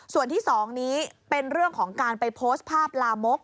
ส่วนที่๒นี้เป็นเรื่องของการไปโพสต์ภาพลามก